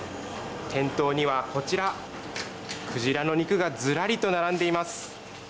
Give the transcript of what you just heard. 店頭にはこちらクジラの肉がずらりと並んでいます。